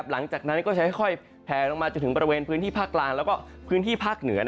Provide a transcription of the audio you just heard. หลังจากนั้นก็จะค่อยแผลลงมาจนถึงบริเวณพื้นที่ภาคกลางแล้วก็พื้นที่ภาคเหนือ